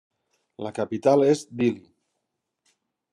La capital és Dili.